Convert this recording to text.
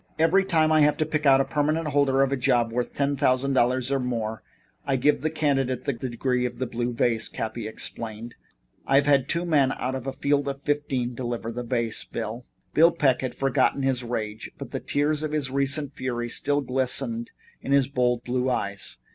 "Every time I have to pick out a permanent holder of a job worth ten thousand dollars, or more, I give the candidate the Degree of the Blue Vase," Cappy explained. "I've had two men out of a field of fifteen deliver the vase, Bill." Bill Peck had forgotten his rage, but the tears of his recent fury still glistened in his bold blue eyes.